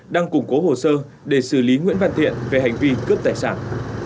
đang củng cố hồ sơ để xử lý nguyễn văn thiện về hành vi cướp tài sản